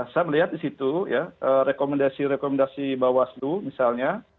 saya melihat di situ ya rekomendasi rekomendasi bawaslu misalnya